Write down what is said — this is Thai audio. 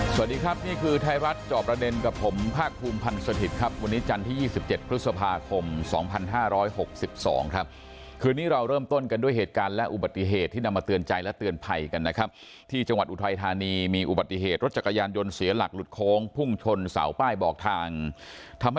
สวัสดีครับนี่คือไทยรัฐจอบประเด็นกับผมภาคภูมิพันธ์สถิตย์ครับวันนี้จันทร์ที่๒๗พฤษภาคม๒๕๖๒ครับคืนนี้เราเริ่มต้นกันด้วยเหตุการณ์และอุบัติเหตุที่นำมาเตือนใจและเตือนภัยกันนะครับที่จังหวัดอุทัยธานีมีอุบัติเหตุรถจักรยานยนต์เสียหลักหลุดโค้งพุ่งชนเสาป้ายบอกทางทำให้